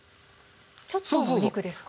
ちょっとのお肉ですか？